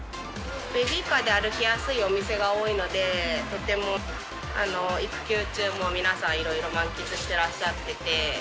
ベビーカーで歩きやすいお店が多いので、とても育休中も皆さん、いろいろ満喫してらっしゃってて。